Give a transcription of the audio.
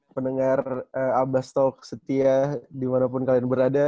pendengar abastok setia dimanapun kalian berada